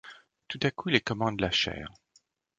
Tout à coup, les commandes lâchèrent.